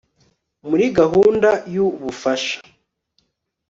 muri gahunda yu bufasha